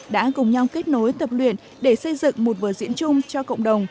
đã cùng nhau kết nối tập luyện để xây dựng một vở diễn chung cho cộng đồng